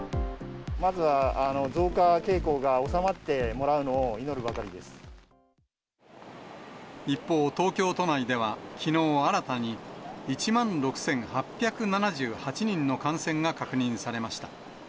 まずは増加傾向が収まっても一方、東京都内ではきのう新たに１万６８７８人の感染が確認されました。